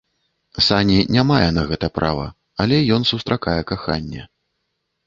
Сані не мае на гэта права, але ён сустракае каханне.